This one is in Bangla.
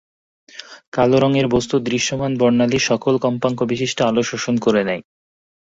কালো রঙের বস্তু দৃশ্যমান বর্ণালীর সকল কম্পাঙ্ক বিশিষ্ট আলো শোষণ করে নেয়।